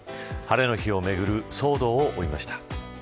晴れの日をめぐる騒動を追いました。